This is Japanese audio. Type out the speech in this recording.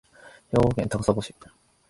兵庫県高砂市